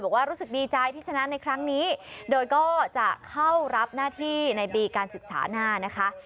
รู้สึกดีใจที่ชนะในครั้งนี้โดยก็จะเข้ารับหน้าที่ในปีการศึกษาหน้านะคะ